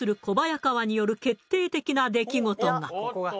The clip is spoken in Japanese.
小早川による決定的な出来事が。